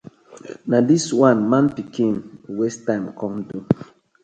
Na dis one man pikin waste time kom do?